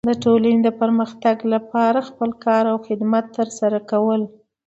د ټولنې د پرمختګ لپاره خپل کار او خدمت ترسره کول.